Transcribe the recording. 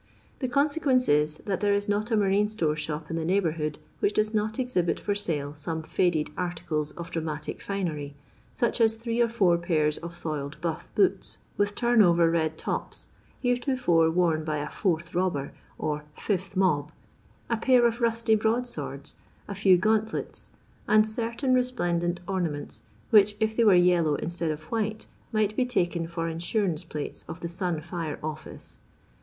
The consequence is, that there is not a marine store shop in the neighbourhood, which does not exhibit for sale some £ided articles of dramatic finery, ■uch as three or four pairs of soiled buff booM with turn over red tops, heretofore worn by a 'fourth robber,' or 'fifth mob;' a pair of rusty broad swords, a few gauntlets, and certain re> ^lendent ornaments, which, if they were yellow instead of white, might be taken for insurance plates of the Sun Fire office.